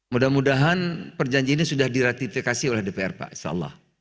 mudah mudahan perjanjian ini sudah diratifikasi oleh dpr pak insyaallah